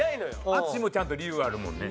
淳もちゃんと理由あるもんね